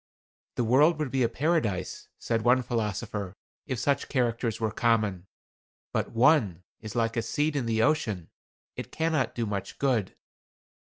"The world would be a paradise," said one philosopher, "if such characters were common. But one is like a seed in the ocean; it cannot do much good."